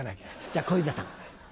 じゃあ小遊三さん。